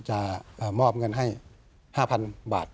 จะมอบเงินให้๕๐๐๐บาท